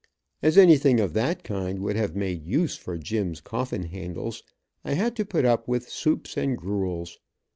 As anything of that kind would have made use for Jim's coffin handles, I had to put up with soups and gruels.